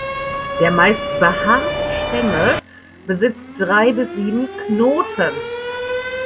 Der meist behaarte Stängel besitzt drei bis sieben Knoten.